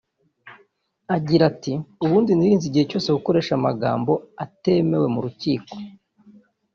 Agira ati “Ubundi nirinze igihe cyose gukoresha amagambo atemewe mu Rukiko